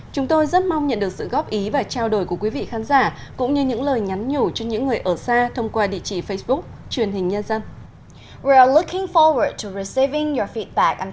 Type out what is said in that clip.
chúng tôi rất mong nhận được sự góp ý và trao đổi của quý vị khán giả cũng như những lời nhắn nhủ cho những người ở xa thông qua địa chỉ facebook truyền hình nhân dân